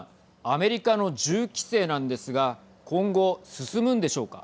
アメリカの銃規制なんですが今後、進むんでしょうか。